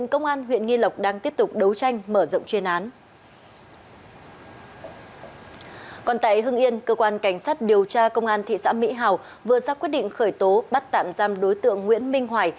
cơ sát quyết định khởi tố bắt tạm giam đối tượng nguyễn minh hoài